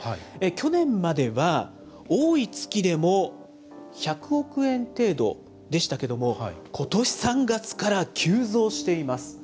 去年までは多い月でも１００億円程度でしたけども、ことし３月から急増しています。